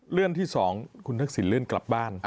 เรื่องที่๒คุณทักษิณเลื่อนกลับบ้าน